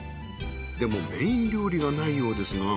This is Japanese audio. でもメイン料理がないようですが。